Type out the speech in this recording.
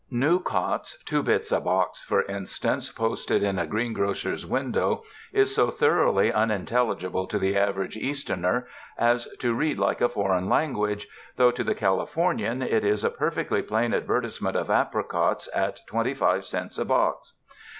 ''New Cots Two Bits a Box," for instance, posted in a green grocer's window, is so thoroughly unin telligible to the average Easterner as to read like a foreign language, though to the Californian it is a perfectly plain advertisement of apricots at twenty five cents a box.